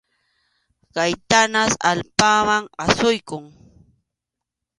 Khaynatas allpaman asuykun.